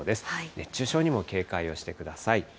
熱中症にも警戒をしてください。